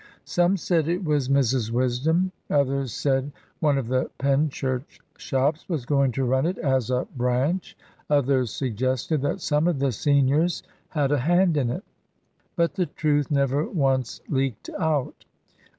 Some said it was Mrs Wisdom. Others said one of the Penchurch shops was going to run it as a branch. Others suggested that some of the seniors had a hand in it. But the truth never once leaked out.